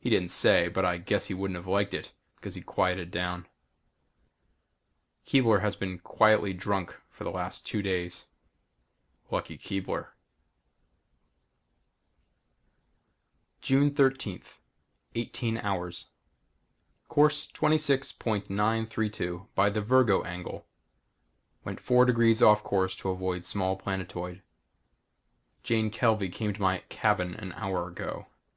He didn't say, but I guess he wouldn't have liked it because he quieted down. Keebler has been quietly drunk for the last two days. Lucky Keebler. June 13th, 18 hours. Course 26.932 by the Virgo angle. Went four degrees off course to avoid small planetoid. Jane Kelvey came to my cabin an hour ago.